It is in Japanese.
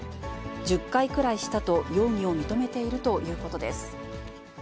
１０回くらいしたと容疑を認めているということです。